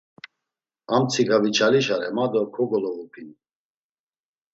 Ar mtsika viçalişare ma do kogolovupini.